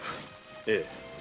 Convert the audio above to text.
ええ。